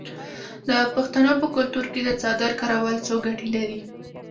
د پښتنو په کلتور کې د څادر کارول څو ګټې لري.